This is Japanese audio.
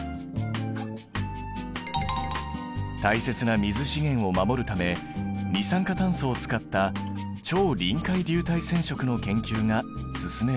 大切な水資源を守るため二酸化炭素を使った超臨界流体染色の研究が進められている。